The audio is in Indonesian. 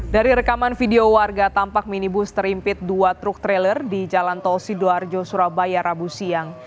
dari rekaman video warga tampak minibus terimpit dua truk trailer di jalan tol sidoarjo surabaya rabu siang